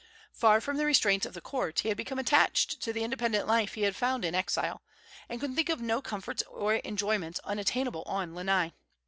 Far from the restraints of the court, he had become attached to the independent life he had found in exile, and could think of no comforts or enjoyments unattainable on Lanai.